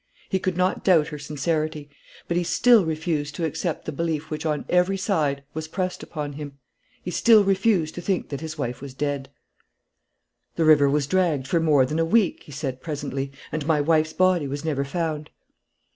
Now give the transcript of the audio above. He could not doubt her sincerity; but he still refused to accept the belief which on every side was pressed upon him. He still refused to think that his wife was dead. "The river was dragged for more than a week," he said, presently, "and my wife's body was never found."